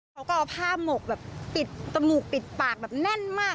เขาก็เอาผ้าหมกแบบปิดจมูกปิดปากแบบแน่นมาก